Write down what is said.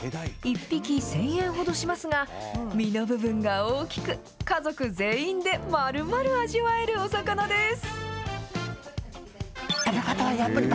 １匹１０００円ほどしますが、身の部分が大きく、家族全員でまるまる味わえるお魚です。